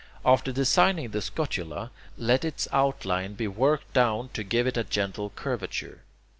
After designing the scutula, let its outline be worked down to give it a gentle curvature.